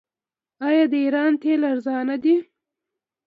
آیا د ایران تیل ارزانه دي؟